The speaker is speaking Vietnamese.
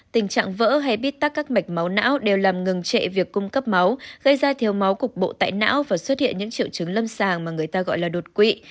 tình trạng vỡ hay bít tắt các mạch máu não đều làm ngừng trệ việc cung cấp máu gây ra thiếu máu cục bộ tại não và xuất hiện những triệu chứng lâm sàng mà người ta gọi là đột quỵ